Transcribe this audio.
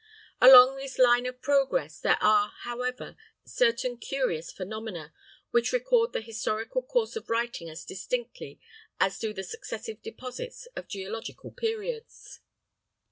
Along this line of progress there are, however, certain curious phenomena which record the historical course of writing as distinctly as do the successive deposits of geological periods.